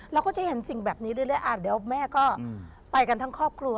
เราก็จะเห็นสิ่งแบบนี้เรื่อยเดี๋ยวแม่ก็ไปกันทั้งครอบครัว